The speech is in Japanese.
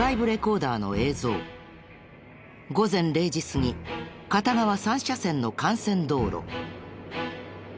午前０時過ぎ片側三車線の幹線道路。